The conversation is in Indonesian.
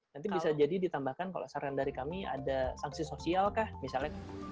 nanti bisa jadi ditambahkan kalau saran dari kami ada sanksi sosial kah misalnya